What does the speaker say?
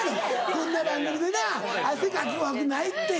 こんな番組でな汗かくわけないって。